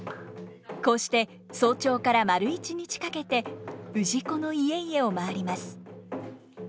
こうして早朝から丸一日かけて氏子の家々を回ります。